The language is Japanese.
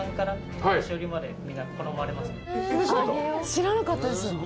知らなかったです。